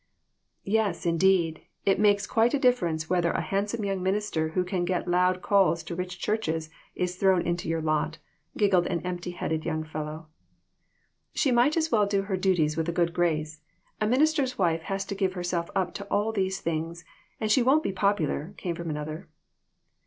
" Yes, indeed. It makes quite a difference whether a handsome young minister who can get loud calls to rich churches is thrown into your lot," giggled an empty headed young fellow. " She might as well do her duties with a good grace. A minister's wife has to give herself up to all these things, or she won't be popular," came from another.